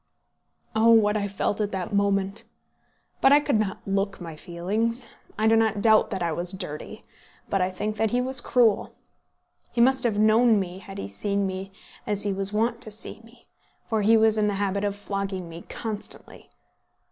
Oh, what I felt at that moment! But I could not look my feelings. I do not doubt that I was dirty; but I think that he was cruel. He must have known me had he seen me as he was wont to see me, for he was in the habit of flogging me constantly.